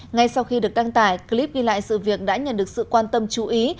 ngay sau khi được đăng tải clip ghi lại sự việc đã nhận được sự quan tâm chú ý